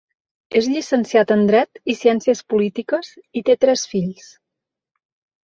És llicenciat en dret i ciències polítiques i té tres fills.